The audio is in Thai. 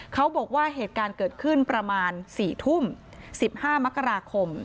เขาบอกว่าเหตุการณ์เกิดขึ้นประมาณ๔ทุ่ม๑๕มกราคม